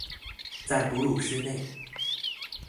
在哺乳室内